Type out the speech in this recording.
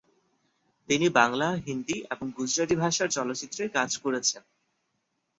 তিনি বাংলা, হিন্দি এবং গুজরাটি ভাষার চলচ্চিত্রে কাজ করেছেন।